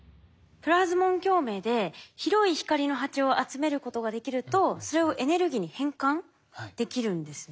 プラズモン共鳴で広い光の波長を集めることができるとそれをエネルギーに変換できるんですね。